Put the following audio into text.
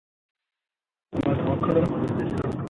ایا زه باید خیانت وکړم؟